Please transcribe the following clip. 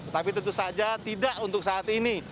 tapi tentu saja tidak untuk saat ini